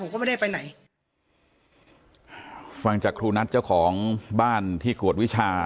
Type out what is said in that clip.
ก็ไม่ได้ไปไหนฟังจากครูนัทเจ้าของบ้านที่กวดวิชา